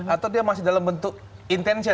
itu masih dalam bentuk intension